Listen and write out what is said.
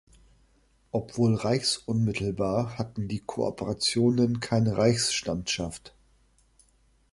Obwohl reichsunmittelbar hatten die Kooperationen keine Reichsstandschaft.